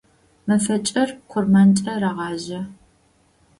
Мэфэкӏыр къурмэнкӏэ рагъажьэ.